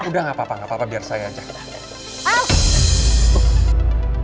udah gapapa biar saya ajak